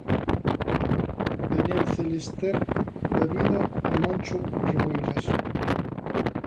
Daniel Celester dá vida a Moncho Reboiras.